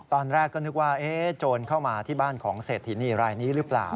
ตอนแรกก็นึกว่าโจรเข้ามาที่บ้านของเศรษฐินีรายนี้หรือเปล่า